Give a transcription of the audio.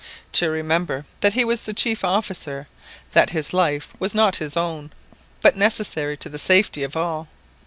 To remember that he was the chief officer, that his life was not his own, but necessary to the safety of all.